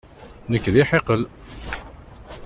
Nekk d iḥiqel.